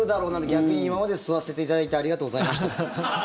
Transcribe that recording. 逆に今まで吸わせていただいてありがとうございました。